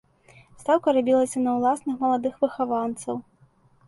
Стаўка рабілася на ўласных маладых выхаванцаў.